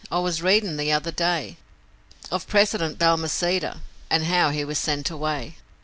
I was readin' the other day Of President Balmaceda and of how he was sent away.